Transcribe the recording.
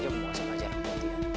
mau ngasah pajak nanti ya